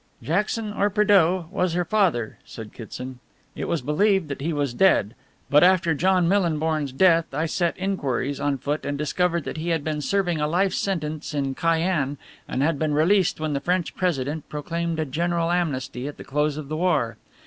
"Jackson, or Prédeaux, was her father," said Kitson, "it was believed that he was dead; but after John Millinborn's death I set inquiries on foot and discovered that he had been serving a life sentence in Cayenne and had been released when the French President proclaimed a general amnesty at the close of the war.